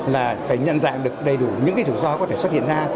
là phải nhận dạng được đầy đủ những cái rủi ro có thể xuất hiện ra